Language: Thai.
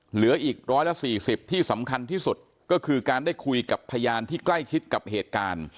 เหลืออีก๑๔๐ที่สำคัญที่สุดก็คือการได้คุยกับพยานที่ใกล้ชิดกับเหตุการณ์